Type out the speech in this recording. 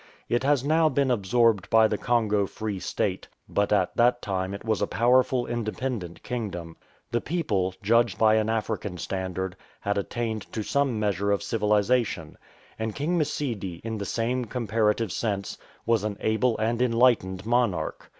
It has now been absorbed by the Congo Free State, but at that time it was a powerful independent kingdom. The people, judged by an African standard, had attained to some measure of civilization ; and King Msidi, in the same comparative sense, was an able and enlightened monarch.